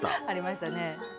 ありましたね。